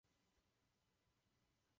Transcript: San Juan zasáhne silné zemětřesení.